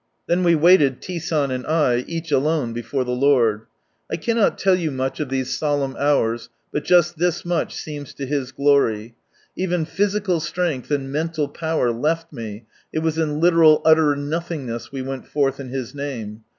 Then we waited, T. San and I, each alone, before the Lord. I cannot tell I cannot. Can God ? God 41 you much of these solemn hours, but just this much seems to His glory. Even physical strength and menial power left me, it was in literal utter nothingness we went forth in His Name.